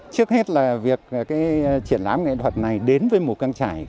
trước hết là việc cái triển lãm nghệ thuật này đến với mù căng trải